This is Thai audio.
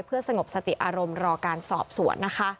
กับอาการสอบสวนนะคะ